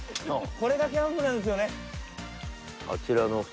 これがキャンプなんですよね。